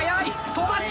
止まった！